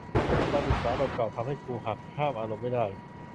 ระบบการศึกษาแบบเก่าทำให้ครูหักห้ามอารมณ์ไม่ได้